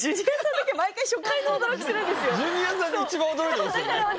ジュニアさんが一番驚いてますよねだから